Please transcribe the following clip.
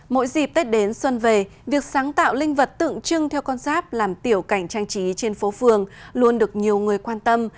mỗi dịp tết đến xuân về việc sáng tạo linh vật tượng trưng theo con giáp làm tiểu cảnh trang trí trên phố phường luôn được nhiều người quan tâm